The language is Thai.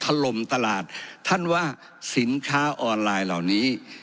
ถล่มตลาดท่านว่าสินค้าออนไลน์เหล่านี้